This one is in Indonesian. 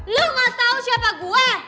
lo gak tahu siapa gue